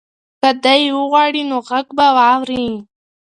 که دی وغواړي نو غږ به واوري.